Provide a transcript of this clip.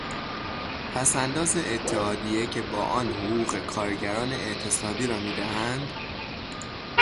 پس انداز اتحادیه که با آن حقوق کارگران اعتصابی را میدهند